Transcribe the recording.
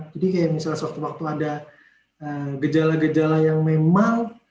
jadi misalnya suatu waktu ada gejala gejala yang memang